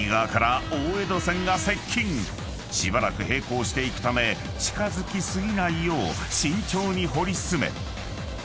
［しばらく並行していくため近づき過ぎないよう慎重に掘り進め］